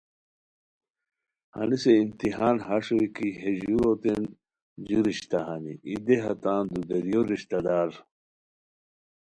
ہنیسے امتحان ہݰ ہوئے کی ،ہے ژوروتین جُو رشتہ ہانی، ای دیہہ تان دودیریو رشتہ دار